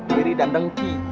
diri dan dengki